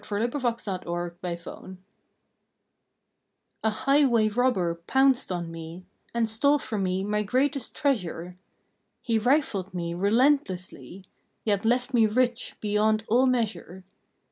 October Seventh A ROBBERY A HIGHWAY robber pounced on me, "^ And stole from me my greatest treasure. He rifled me relentlessly, Yet left me rich beyond all measure.